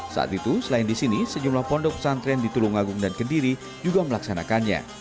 saat itu selain di sini sejumlah pondok pesantren di tulungagung dan kendiri juga melaksanakannya